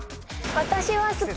私は好き。